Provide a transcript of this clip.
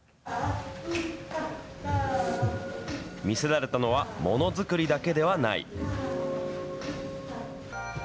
魅せられたのは、ものづくりだけではない。